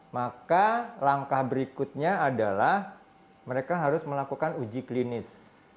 maka langkah berikutnya adalah mereka harus melakukan uji klinis